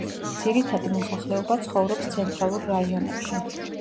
ძირითადი მოსახლეობა ცხოვრობს ცენტრალურ რაიონებში.